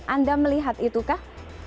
anda melihat itukah